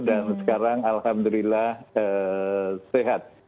dan sekarang alhamdulillah sehat